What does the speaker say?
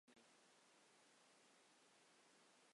আসলে, হ্যাঁ, তাড়াহুড়োর প্রয়োজন নেই।